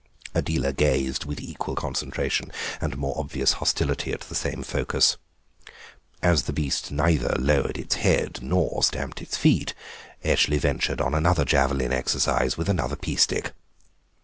Adela gazed with equal concentration and more obvious hostility at the same focus. As the beast neither lowered its head nor stamped its feet Eshley ventured on another javelin exercise with another pea stick.